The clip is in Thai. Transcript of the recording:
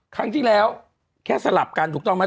ครั้งที่แล้วแค่สลับกันถูกต้องไหม